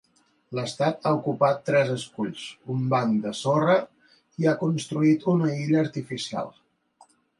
L'estat ha ocupat tres esculls, un banc de sorra i ha construït una illa artificial.